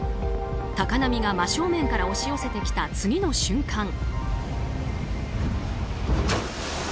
高波が真正面から押し寄せてきた次の瞬間。